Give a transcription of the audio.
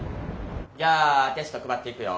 じゃあテスト配っていくよ。